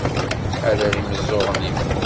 Ḥader imeẓẓuɣen-im.